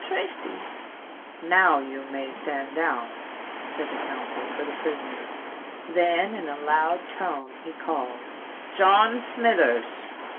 "Now you may stand down," said the counsel for the prisoner: then, in a loud tone, he called, "John Smithers!"